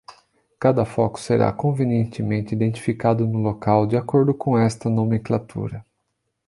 Cada foco será convenientemente identificado no local, de acordo com esta nomenclatura.